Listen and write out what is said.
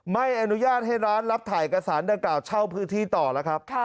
ไม่อนุญาตให้ร้านรับถ่ายเอกสารดังกล่าวเช่าพื้นที่ต่อแล้วครับ